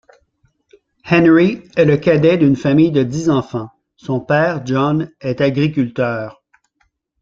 Henry est le cadet d'une famille de dix enfants, son père John est agriculteur.